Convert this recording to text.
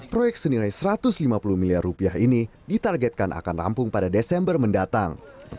proyek senilai satu ratus lima puluh miliar rupiah ini ditargetkan akan rampung pada desember mendatang